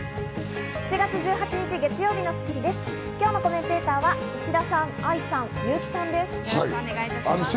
７月１８日、月曜日の『スッキリ』です。